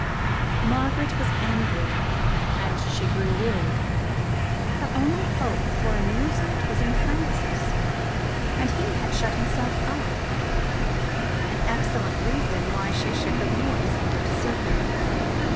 Margaret was angry, and she grew weary: her only hope for amusement was in Francis, and he had shut himself up an excellent reason why she should the more desire to see him.